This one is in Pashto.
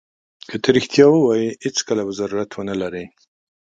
که ته رښتیا ووایې هېڅکله به ضرورت ونه لرې.